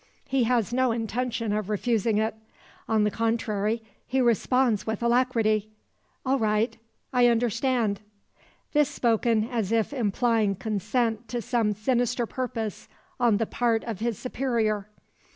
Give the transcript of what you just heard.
He has no intention of refusing it. On the contrary, he responds with alacrity: "All right. I understand." This spoken as if implying consent to some sinister purpose on the part of his superior.